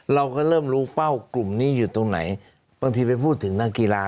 เราก็เริ่มรู้เป้ากลุ่มนี้อยู่ตรงไหนบางทีไปพูดถึงนักกีฬา